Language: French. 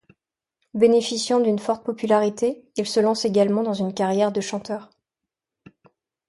Bénéficiant d'une forte popularité, il se lance également dans une carrière de chanteur.